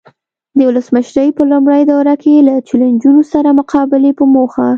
د ولسمشرۍ په لومړۍ دوره کې له چلنجونو سره مقابلې په موخه.